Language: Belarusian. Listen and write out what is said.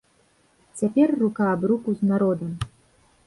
Цяпер рука аб руку з народам!